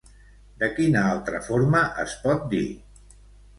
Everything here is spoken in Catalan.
De quina altra forma es pot dir?